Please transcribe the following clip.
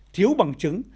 thiếu bằng chứng